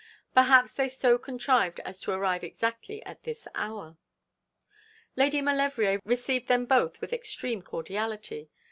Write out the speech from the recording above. Perhaps they had so contrived as to arrive exactly at this hour. Lady Maulevrier received them both with extreme cordiality.